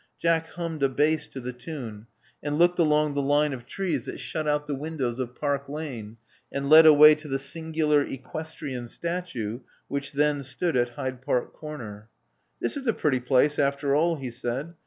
Jack hummed a bass to the tune, and looked along the line of trees that shut out the windows of Park Lane, and led away to the singular equestrian statue which then stood at Hyde Park Comer. This is a pretty place, after all," he said.